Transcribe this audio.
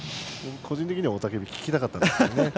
個人的には聞きたかったです。